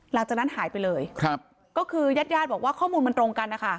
หลังจากนั้นหายไปเลยก็คือยาดบอกว่าข้อมูลมันตรงกันนะคะ